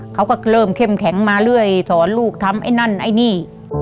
เขาก็เริ่มเข้มแข็งมาเรื่อยสอนลูกทำไอ้นั่นไอ้นี่